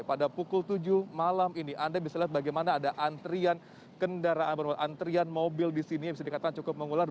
pada pukul tujuh malam ini anda bisa lihat bagaimana ada antrian kendaraan antrian mobil di sini yang bisa dikatakan cukup mengular